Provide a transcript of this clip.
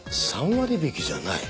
３割引じゃない？